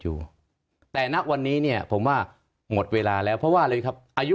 อยู่แต่ณวันนี้เนี่ยผมว่าหมดเวลาแล้วเพราะว่าอะไรครับอายุ